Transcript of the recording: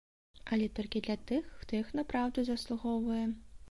Але толькі для тых, хто іх напраўду заслугоўвае.